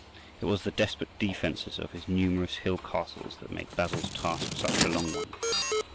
It was the desperate defences of his numerous hill castles that made Basil's task such a long one.